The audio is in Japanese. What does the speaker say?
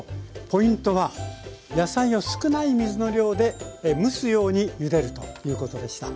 ポイントは野菜を少ない水の量で蒸すようにゆでるということでした。